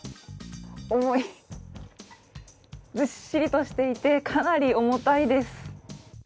重い、ずっしりとしていて、かなり重たいです。